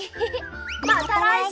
また来週！